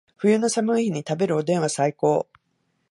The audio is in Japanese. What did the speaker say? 冬の寒い日に食べるおでんは最高